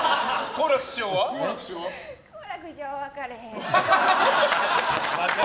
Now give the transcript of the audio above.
好楽師匠は分かれへん。